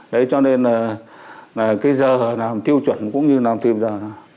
đấy cho nên là cái giờ làm tiêu chuẩn cũng như làm thêm giờ